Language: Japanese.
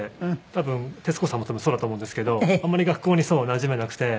多分徹子さんもそうだと思うんですけどあんまり学校になじめなくて。